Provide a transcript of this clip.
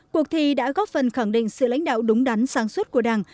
cuộc thi đã góp phần khẳng định sự lãnh đạo đúng đắn sáng suốt của đảng